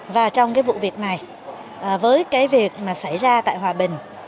và trong cái vụ việc này với cái việc mà xảy ra tại hòa bình